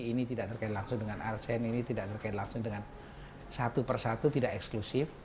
ini tidak terkait langsung dengan arsen ini tidak terkait langsung dengan satu persatu tidak eksklusif